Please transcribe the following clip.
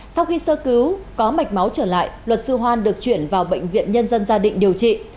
sau khi sơ cứu có mạch máu trở lại luật sư hoan được chuyển vào bệnh viện nhân dân gia định điều trị